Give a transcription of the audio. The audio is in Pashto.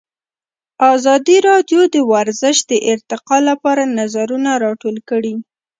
ازادي راډیو د ورزش د ارتقا لپاره نظرونه راټول کړي.